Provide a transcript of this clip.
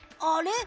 あれ？